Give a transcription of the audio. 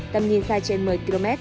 tầm nhìn xa trên một mươi km